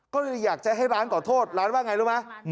ก็เลยอยากให้ร้านตอบโทษร้านว่าอย่างไรรู้ไหม